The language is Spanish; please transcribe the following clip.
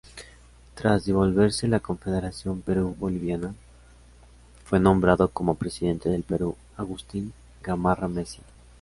Tras disolverse la confederación Perú-Boliviana, fue nombrado como Presidente del Perú Agustín Gamarra Messía.